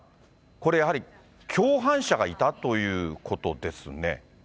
これ、やはり共犯者がいたということですね。